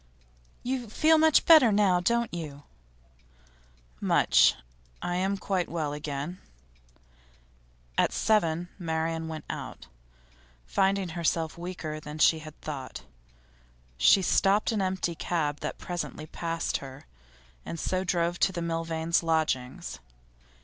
'You feel much better now, don't you?' 'Much. I am quite well again.' At seven, Marian went out. Finding herself weaker than she had thought, she stopped an empty cab that presently passed her, and so drove to the Milvains' lodgings.